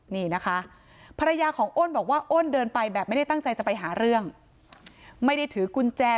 นี่นะคะภรรยาของอ้นบอกว่าอ้นเดินไปแบบไม่ได้ตั้งใจจะไปหาเรื่องไม่ได้ถือกุญแจ